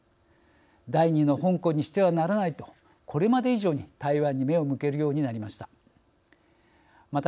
第２の香港にしてはならないとこれまで以上に台湾に目を向けるようになりました。